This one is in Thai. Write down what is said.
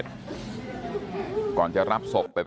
ตรของหอพักที่อยู่ในเหตุการณ์เมื่อวานนี้ตอนค่ำบอกให้ช่วยเรียกตำรวจให้หน่อย